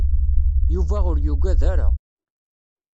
Yuba ur yuggad ara.